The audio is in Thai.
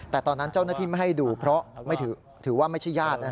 แต่ตอนนั้นเจ้าหน้าที่ไม่ให้ดูเพราะถือว่าไม่ใช่ญาติ